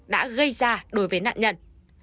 đã gây ra đối với nạn nhân